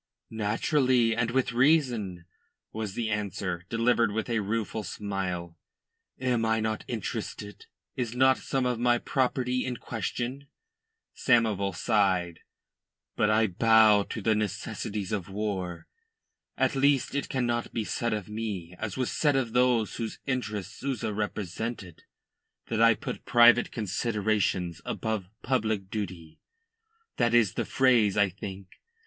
"Naturally, and with reason," was the answer, delivered with a rueful smile. "Am I not interested? Is not some of my property in question?" Samoval sighed. "But I bow to the necessities of war. At least it cannot be said of me, as was said of those whose interests Souza represented, that I put private considerations above public duty that is the phrase, I think.